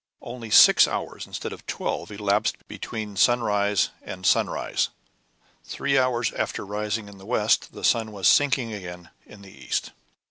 Only six hours instead of twelve elapsed between sunrise and sunrise; three hours after rising in the west the sun was sinking again in the east.